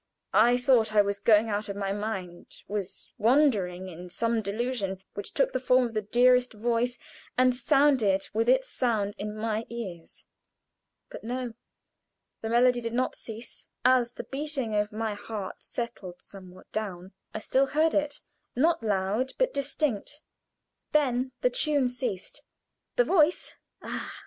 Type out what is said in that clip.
I thought I was going out of my mind was wandering in some delusion, which took the form of the dearest voice, and sounded with its sound in my ears. But no. The melody did not cease. As the beating of my heart settled somewhat down, I still heard it not loud, but distinct. Then the tune ceased. The voice ah!